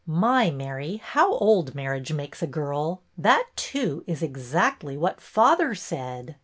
" My, Mary, how old marriage makes a girl 1 That, too, is exactly what father said."